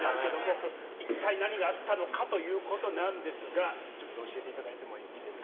一体何があったのかということなんですが、ちょっと教えていただいてもいいですか？